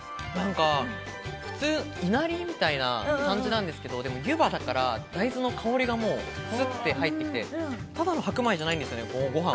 普通、いなりみたいな感じなんですけれど、ゆばだから大豆の香りがスッと入ってきて、ご飯もただの白米じゃないんですよね。